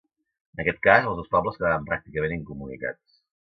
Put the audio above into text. En aquest cas, els dos pobles quedaven pràcticament incomunicats.